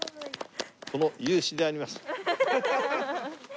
この勇姿であります。